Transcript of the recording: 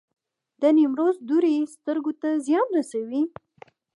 د نیمروز دوړې سترګو ته زیان رسوي؟